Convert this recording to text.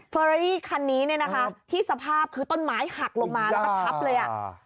เฟอรี่คันนี้ที่สภาพคือต้นไม้หักลงมาแล้วก็ทับเลย